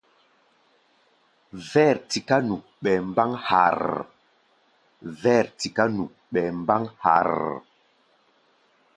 Vɛ̂r tiká nu ɓɛɛ mbáŋ harrr.